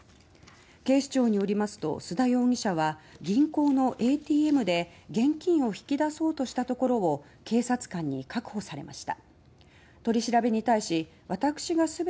警視庁によりますと須田容疑者は銀行のＡＴＭで現金を引き出そうとしたところを警察官に確保されました。